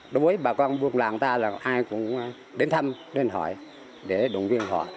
đối với bà con buộc làng ta là ai cũng đến thăm đến hỏi để động viên họ